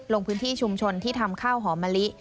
ลงพื้นที่ชุมชนที่ทำข้าวหอมมะลิ